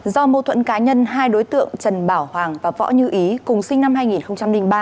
do mâu thuẫn cá nhân hai đối tượng trần bảo hoàng và võ như ý cùng sinh năm hai nghìn ba